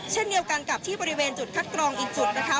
เช่นเดียวกันกับที่บริเวณจุดคัดกรองอีกจุดนะคะ